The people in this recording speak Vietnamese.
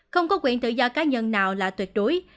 không có quyền tự do cá nhân nào là tuyệt đối